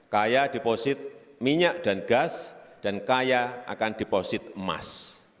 kaya deposit minyak dan gas dan kaya akan deposit emas